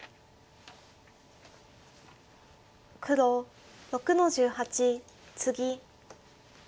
黒６の十八ツギ。